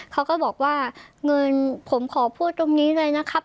เขาก็บอกว่าเงินผมขอพูดตรงนี้เลยนะครับ